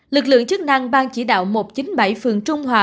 lực lượng chức năng ban chỉ đạo một trăm chín mươi bảy phường trung hòa